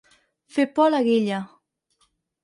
Fer por a la guilla.